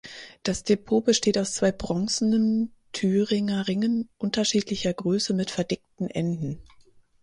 Das Depot besteht aus zwei bronzenen Thüringer Ringen unterschiedlicher Größe mit verdickten Enden.